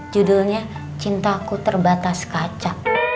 judulnya cinta aku terbatas kaca